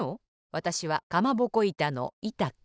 わたしはかまぼこいたのいた子。